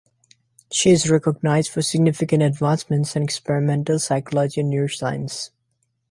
She is recognized for significant advancements in experimental psychology and neuroscience.